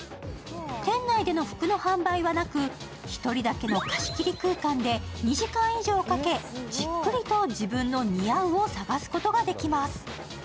店内での服の販売はなく、１人だけの貸し切り空間で２時間以上かけじっくりと自分の似合うを探すことができます。